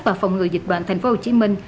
và phòng ngừa dịch bệnh thành phố hồ chí minh